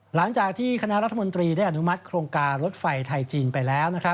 หลังจากที่คณะรัฐมนตรีได้อนุมัติโครงการรถไฟไทยจีนไปแล้ว